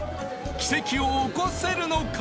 奇跡を起こせるのか！？